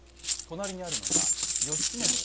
隣にあるのが義経の。